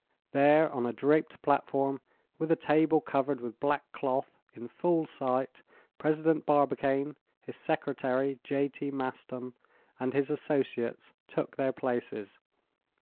There, on a draped platform, with a table covered with black cloth, in full sight, President Barbicane, his Secretary, J.T. Maston, and his associates, took their places.